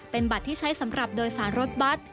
เป็นบัตรที่ใช้สำหรับโดยสารรถบัตร